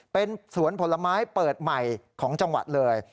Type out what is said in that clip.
เป็นสวนผลไม้เปิดใหม่ของจังหวัดเลย